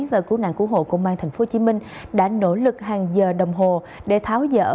và cứu nạn cứu hộ công an tp hcm đã nỗ lực hàng giờ đồng hồ để tháo dỡ